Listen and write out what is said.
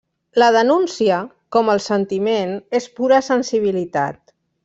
La denúncia, com el sentiment, és pura sensibilitat.